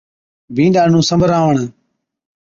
بِينڏا نُون سنبراوَڻ